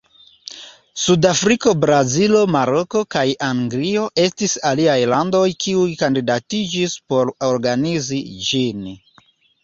Sud-Afriko, Brazilo, Maroko, kaj Anglio estis aliaj landoj kiuj kandidatiĝis por organizi ĝin.